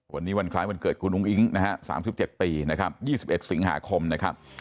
วันนี้วันคล้ายวันเกิดคุณนวงอิง๓๗ปี๒๑สิงหาคมนะครับ